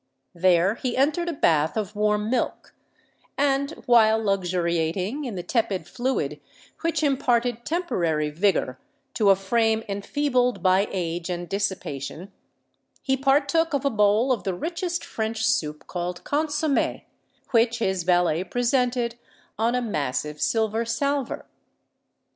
There he entered a bath of warm milk; and, while luxuriating in the tepid fluid which imparted temporary vigour to a frame enfeebled by age and dissipation, he partook of a bowl of the richest French soup, called consommée, which his valet presented on a massive silver salver.